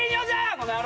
この野郎。